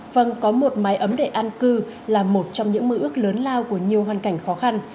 vâng có một mái ấm để an cư là một trong những mơ ước lớn lao của nhiều hoàn cảnh khó khăn